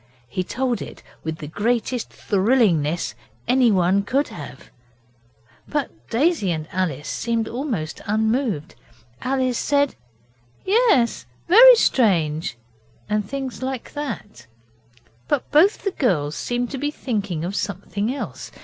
He told it with the greatest thrillingness anyone could have, but Daisy and Alice seemed almost unmoved. Alice said 'Yes, very strange,' and things like that, but both the girls seemed to be thinking of something else.